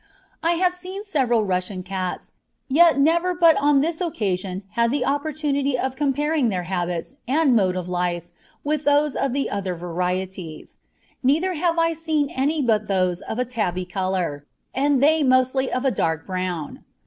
I have seen several Russian cats, yet never but on this occasion had the opportunity of comparing their habits and mode of life with those of the other varieties; neither have I seen any but those of a tabby colour, and they mostly of a dark brown.